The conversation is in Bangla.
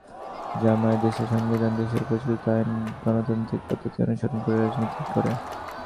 জামায়াত দেশের সংবিধান, দেশের প্রচলিত আইন, গণতান্ত্রিক পদ্ধতি অনুসরণ করে রাজনীতি করে।